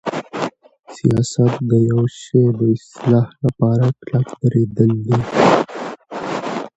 سیاست د یوشی د اصلاح لپاره کلک دریدل دی.